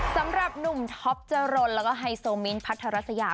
สำหรับหนุ่มท็อปจรนแล้วก็ไฮโซมิ้นท์พัทรัสยา